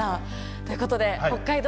ということで「北海道道」